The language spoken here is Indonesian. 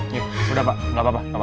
yuk udah pak gak apa apa